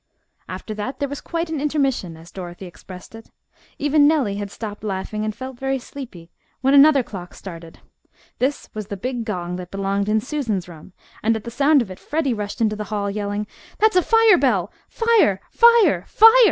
After that there was quite an intermission, as Dorothy expressed it. Even Nellie had stopped laughing and felt very sleepy, when another clock started. This was the big gong that belonged in Susan's room, and at the sound of it Freddie rushed out in the hall, yelling. "That's a fire bell! Fire! fire! fire!"